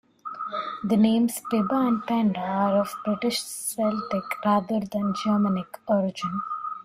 The names Pybba and Penda are of British Celtic, rather than Germanic, origin.